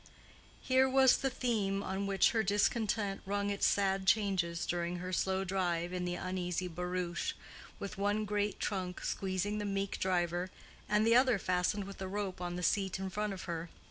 Here was the theme on which her discontent rung its sad changes during her slow drive in the uneasy barouche, with one great trunk squeezing the meek driver, and the other fastened with a rope on the seat in front of her.